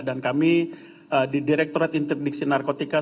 dan kami di direkturat interdiksi narkotika